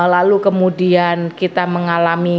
lalu kemudian kita mengalami